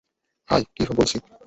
High, Tiff বলছি।